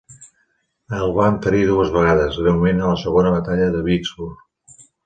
El van ferir dues vegades, greument a la segona batalla de Vicksburg.